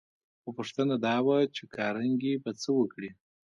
خو پوښتنه دا وه چې کارنګي به څه وکړي